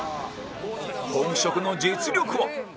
本職の実力は？